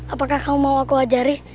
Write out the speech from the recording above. apakah kamu mau aku ajari